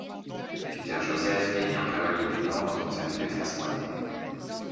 Peter Joseph est né en Caroline du Nord dans une famille de classe moyenne.